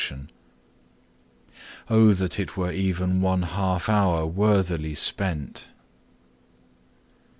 And oh that it were even one half hour worthily spent!